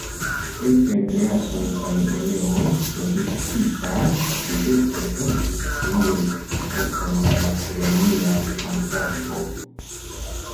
Kelkaj grasoj kaj oleoj produktitaj de bestoj helpis kuiri multon da la koloniaj manĝaĵoj.